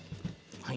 はい。